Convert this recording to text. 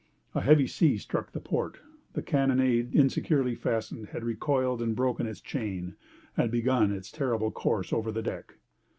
A heavy sea struck the port, the carronade insecurely fastened, had recoiled and broken its chain, and begun its terrible course over the deck.